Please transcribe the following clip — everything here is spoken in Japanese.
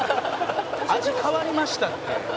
「味変わりましたって。